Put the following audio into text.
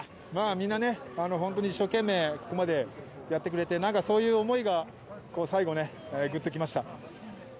みんな一生懸命ここまでやってくれて、そういう思いが最後グッときました。